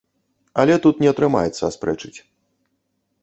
Але тут не атрымаецца аспрэчыць.